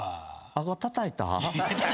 顎たたいた？